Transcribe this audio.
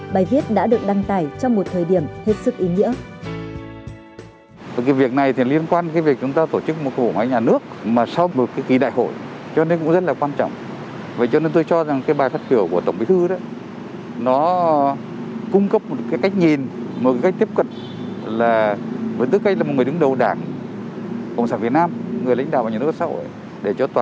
bài viết đã được đăng tải trong một thời điểm hết sức ý nghĩa